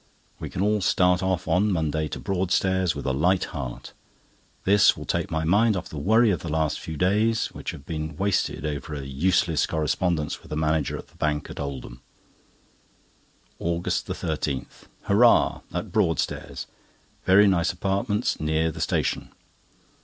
We can all start off on Monday to Broadstairs with a light heart. This will take my mind off the worry of the last few days, which have been wasted over a useless correspondence with the manager of the Bank at Oldham. AUGUST 13.—Hurrah! at Broadstairs. Very nice apartments near the station.